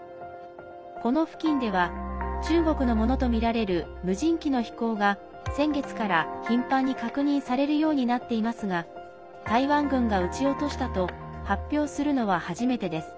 この付近では中国のものとみられる無人機の飛行が先月から頻繁に確認されるようになっていますが台湾軍が撃ち落としたと発表するのは初めてです。